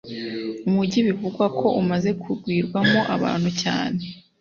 umujyi bivugwa ko umaze kugwiramo abantu cyane